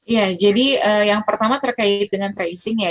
ya jadi yang pertama terkait dengan tracing ya